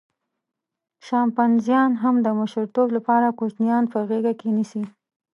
شامپانزیان هم د مشرتوب لپاره کوچنیان په غېږه کې نیسي.